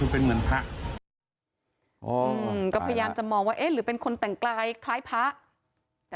พยายามจะมองว่าหรือเป็นคนแต่งกลายคล้ายพระ